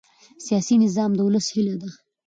سیاسي نظام د ولس هیله ده